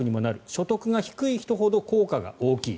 所得が低い人ほど効果が大きい。